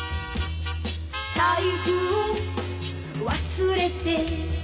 「財布を忘れて」